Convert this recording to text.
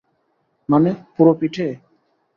মানে, পুরো পিঠে?